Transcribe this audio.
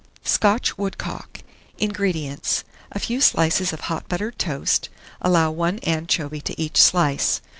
SCOTCH WOODCOCK. 1653. INGREDIENTS. A few slices of hot buttered toast; allow 1 anchovy to each slice.